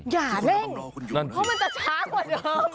อย่าเร่งเพราะมันจะช้ากว่าเดิม